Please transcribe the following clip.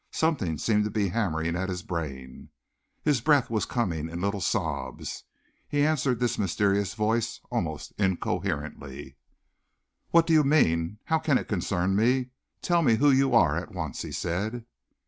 Something seemed to be hammering at his brain. His breath was coming in little sobs. He answered this mysterious voice almost incoherently. "What do you mean? How can it concern me? Tell me who you are at once," he said.